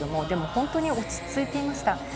でも、本当に落ち着いていました。